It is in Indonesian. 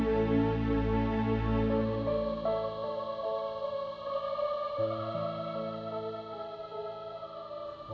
oka dapat mengerti